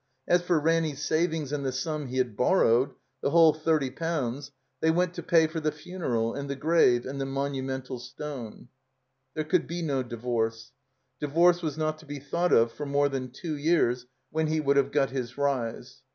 As for Ranny's savings and the stun he had borrowed — ^the whole thirty pounds — ^they went to pay for the fimeral and the grave and the monxunental stone. There could be no divorce. Divorce was not to be thought of for more than two years, when he would have got his rise.